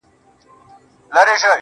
گرانه شاعره لږ څه يخ دى كنه.